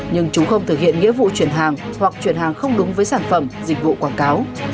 nhưng chúng không thực hiện nghĩa vụ chuyển hàng hoặc chuyển hàng không đúng với sản phẩm dịch vụ quảng cáo